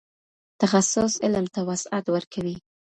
تخصص علم ته وسعت ورکوي.